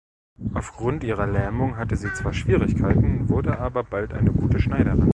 Auf Grund ihrer Lähmung hatte sie zwar Schwierigkeiten, wurde aber bald eine gute Schneiderin.